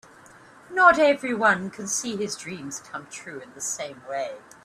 Not everyone can see his dreams come true in the same way.